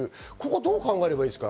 どう考えればいいですか？